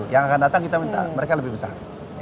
yang akan datang kita minta mereka lebih besar